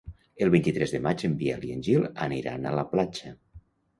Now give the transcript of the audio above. El vint-i-tres de maig en Biel i en Gil aniran a la platja.